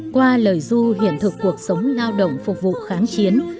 qua lời du hiện thực cuộc sống lao động phục vụ kháng chiến